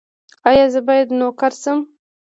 ایا زه باید نوکر شم؟